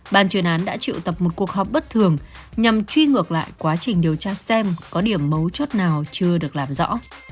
ban chuyên án đã triệu tập một cuộc họp bất thường nhằm truy ngược lại quá trình điều tra xem có điểm mấu chốt nào chưa được làm rõ